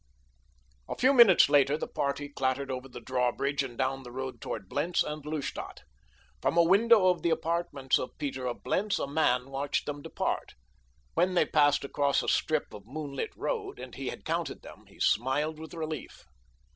A few minutes later the party clattered over the drawbridge and down the road toward Blentz and Lustadt. From a window of the apartments of Peter of Blentz a man watched them depart. When they passed across a strip of moonlit road, and he had counted them, he smiled with relief.